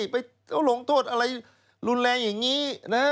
ไปลงโทษอะไรรุนแรงอย่างนี้